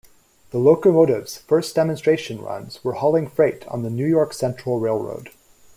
The locomotive's first demonstration runs were hauling freight on the New York Central Railroad.